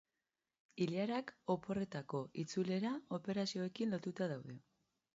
Ilarak oporretako itzulera operazioarekin lotuta daude.